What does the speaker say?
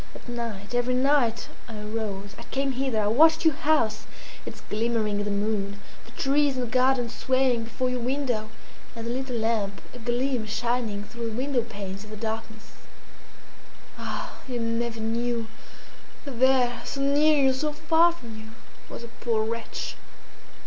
At night every night I arose; I came hither; I watched your house, its glimmering in the moon, the trees in the garden swaying before your window, and the little lamp, a gleam shining through the window panes in the darkness. Ah! you never knew that there, so near you, so far from you, was a poor wretch!"